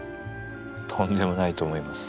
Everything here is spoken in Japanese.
とんでもないと思います。